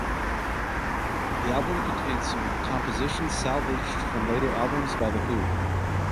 The album contains some compositions salvaged from later albums by The Who.